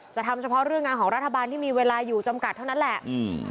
ทำเฉพาะเรื่องงานของรัฐบาลที่มีเวลาอยู่จำกัดเท่านั้นแหละอืม